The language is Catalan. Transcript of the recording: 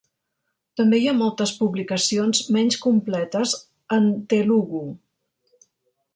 També hi ha moltes publicacions menys completes en telugu.